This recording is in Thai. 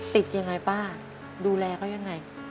ติดยังไงป้าดูแลเขายังไง